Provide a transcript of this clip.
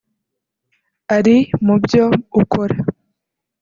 ari mu byo ukora